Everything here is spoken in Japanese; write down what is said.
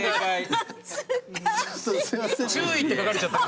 「注意」って書かれちゃってる。